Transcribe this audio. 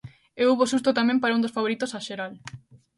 E houbo susto tamén para un dos favoritos á xeral.